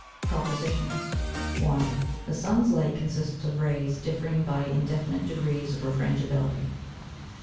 PROPOSITIONS. 1. The Sun's Light consists of Rays differing by indefinite Degrees of Refrangibility.